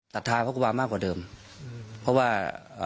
รัทธาพระครูบามากกว่าเดิมเพราะว่าเอ่อ